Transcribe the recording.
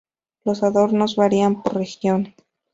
Los adornos varían por región.